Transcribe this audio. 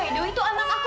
edo itu anak aku